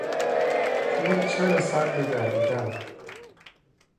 پول چه رسد به دویدن.